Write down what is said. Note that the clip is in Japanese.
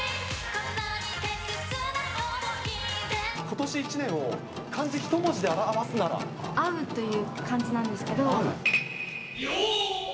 ことし１年を漢字１文字で表会うという漢字なんですけど。